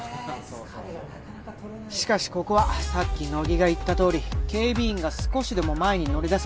疲れがなかなかしかしここはさっき乃木が言ったとおり警備員が少しでも前に乗り出せば